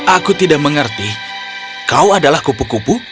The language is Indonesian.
aku tidak mengerti kau adalah kupu kupu